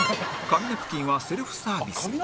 紙ナプキンはセルフサービス